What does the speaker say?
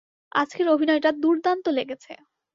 আজকের অভিনয়টা দুর্দান্ত লেগেছে।